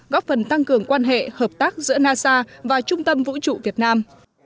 góp phần tăng cường quan hệ hợp tác giữa nasa và trung tâm vũ trụ việt nam